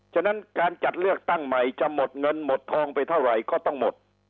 ฉะนั้นการจัดเลือกตั้งใหม่จะหมดเงินหมดทองไปเท่าไหร่ก็ต้องหมด